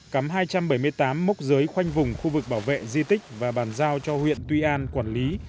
cắm hai trăm bảy mươi tám mốc giới khoanh vùng khu vực bảo vệ di tích và bàn giao cho huyện tuy an quản lý